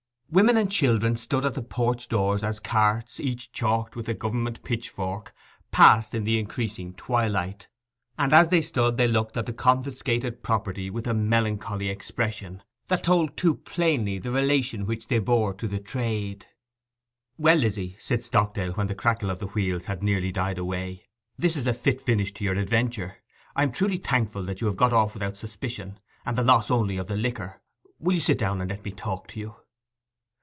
Women and children stood at the doors as the carts, each chalked with the Government pitchfork, passed in the increasing twilight; and as they stood they looked at the confiscated property with a melancholy expression that told only too plainly the relation which they bore to the trade. 'Well, Lizzy,' said Stockdale, when the crackle of the wheels had nearly died away. 'This is a fit finish to your adventure. I am truly thankful that you have got off without suspicion, and the loss only of the liquor. Will you sit down and let me talk to you?